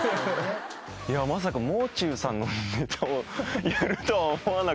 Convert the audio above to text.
まさかもう中さんのネタをやるとは思わなくて。